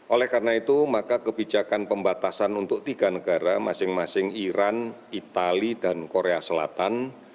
oleh karena itu maka kebijakan pembatasan untuk tiga negara masing masing iran itali dan korea selatan